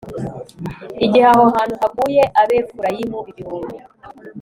gihe aho hantu haguye abefurayimu ibihumbi